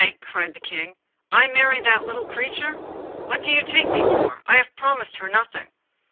cried the King. 'I marry that little creature! What do you take me for? I have promised her nothing!